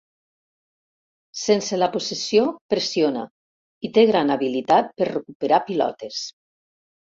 Sense la possessió, pressiona, i té gran habilitat per recuperar pilotes.